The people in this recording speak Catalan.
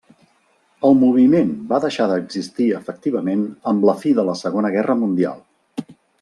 El moviment va deixar d'existir efectivament amb la fi de la Segona Guerra Mundial.